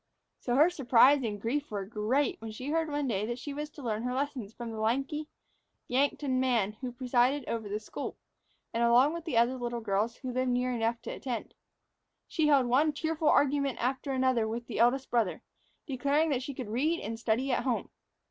So her surprise and grief were great when she heard one day that she was to learn her lessons from the lanky Yankton man who presided over the school, and along with the other little girls who lived near enough to attend. She held one tearful argument after another with the eldest brother, declaring that she could read and study at home.